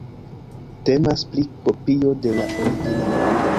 Temas pri kopio de la originalo.